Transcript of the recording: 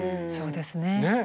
そうですね。